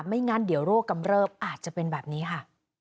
ไม่งั้นเดี๋ยวโรคกำเริบอาจจะเป็นแบบนี้ค่ะ